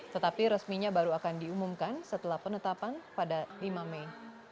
tetapi resminya baru akan diumumkan setelah penetapan pada lima mei